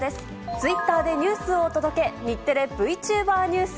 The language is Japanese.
ツイッターでニュースをお届け、日テレＶチューバーニュース。